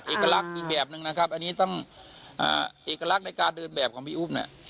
เอกลักษณ์อีกแบบนึงนะครับอันนี้ต้องเอกลักษณ์ในการเดินแบบของพี่อุ๊บเนี่ย